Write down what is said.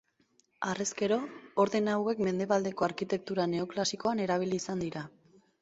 Harrezkero, ordena hauek Mendebaldeko arkitektura neoklasikoan erabili izan dira.